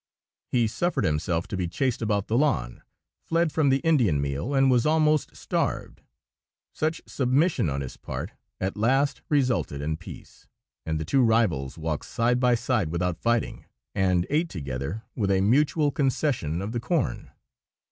He suffered himself to be chased about the lawn, fled from the Indian meal, and was almost starved. Such submission on his part at last resulted in peace, and the two rivals walked side by side without fighting, and ate together, with a mutual concession, of the corn.